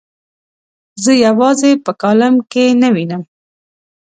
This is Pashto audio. زه یوازې په کالم کې نه یم.